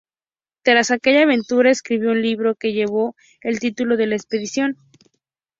Tras aquella aventura escribió un libro que llevó el título de la expedición.